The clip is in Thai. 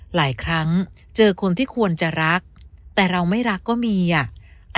หลายครั้งเจอคนที่ควรจะรักแต่เราไม่รักก็มีอ่ะ